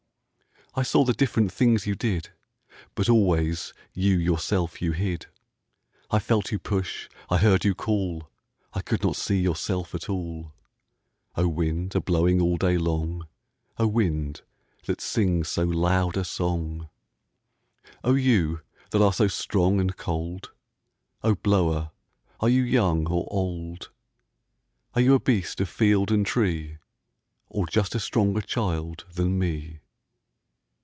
I saw the different things you did, But always you yourself you hid.I felt you push, I heard you call,I could not see yourself at all—O wind, a blowing all day long,O wind, that sings so loud a songO you that are so strong and cold,O blower, are you young or old? Are you a beast of field and tree, Or just a stronger child than me?